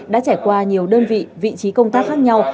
đã trải qua nhiều đơn vị vị trí công tác khác nhau